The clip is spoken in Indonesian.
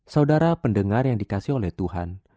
saudara pendengar yang dikasih oleh tuhan